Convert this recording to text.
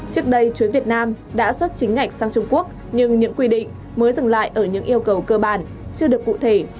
trước đây chuyến việt nam đã xuất chính ngạch sang trung quốc nhưng những quy định mới dừng lại ở những yêu cầu cơ bản chưa được cụ thể